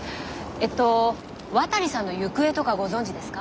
えっと渡さんの行方とかご存じですか？